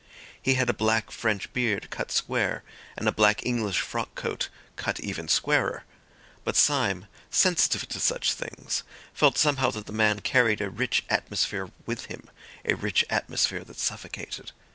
He had a black French beard cut square and a black English frock coat cut even squarer. But Syme, sensitive to such things, felt somehow that the man carried a rich atmosphere with him, a rich atmosphere that suffocated.